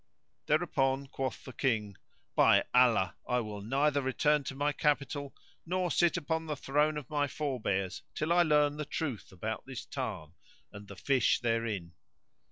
Thereupon quoth the King, "By Allah I will neither return to my capital nor sit upon the throne of my forbears till I learn the truth about this tarn and the fish therein."